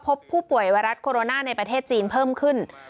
พบผู้ป่วยไวรัสโคโรนาในประเทศจีนเพิ่มขึ้น